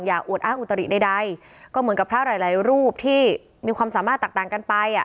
อย่าอวดอ้างอุตริใดก็เหมือนกับพระรายละรวบที่มีความสามารถต่างจากกันไป